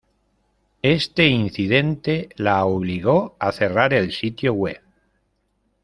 Este incidente la obligó a cerrar el sitio web.